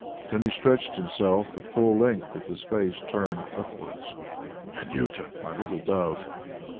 Then he stretched himself at full length with his face turned upwards. "Anjuta, my little dove!"